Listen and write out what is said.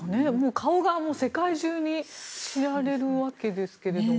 顔が世界中に知られるわけですけれども。